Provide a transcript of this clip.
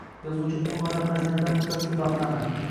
Yozuvchi bu noyob xazinadan muttasil bahramand.